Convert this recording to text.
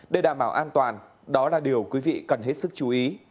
để đảm bảo an toàn đó là điều quý vị cần hết sức chú ý